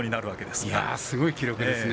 すごい記録ですね。